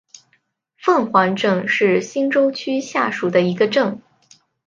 凤凰镇是新洲区下属的一个镇。